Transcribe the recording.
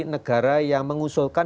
negara yang mengusulkan